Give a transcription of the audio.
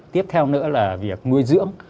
tiếp theo nữa là việc nuôi dưỡng